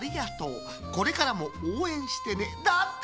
これからもおうえんしてね」だって。